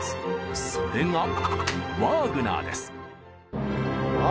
それがワーグナー。